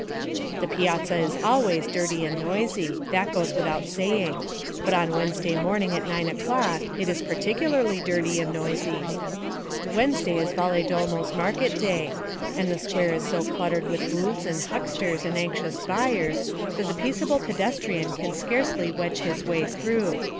The piazza is always dirty and noisy that goes without saying but on Wednesday morning at nine o'clock, it is peculiarly dirty and noisy. Wednesday is Valedolmo's market day, and the square is so cluttered with booths and hucksters and anxious buyers, that the peaceable pedestrian can scarcely wedge his way through.